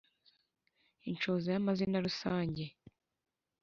Inshoza y’amazina rusange